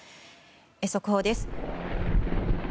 速報です。